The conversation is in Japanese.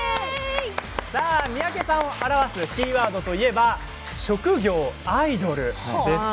三宅さんを表すキーワードといえば職業アイドルですよね。